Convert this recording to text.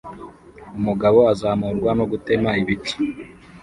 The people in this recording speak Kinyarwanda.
Umugabo azamurwa no gutema ibiti